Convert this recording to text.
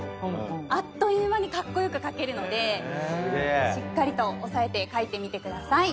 あっという間にカッコ良く書けるのでしっかりと押さえて書いてみてください。